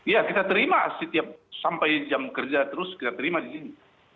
ya kita terima setiap sampai jam kerja terus kita terima di sini